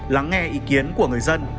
lắng nghe ý kiến của người dân